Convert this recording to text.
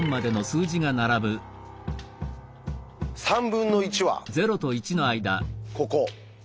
３分の１はここ。